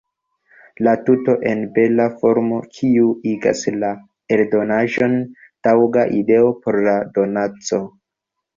La tuto en bela formo, kiu igas la eldonaĵon taŭga ideo por donaco.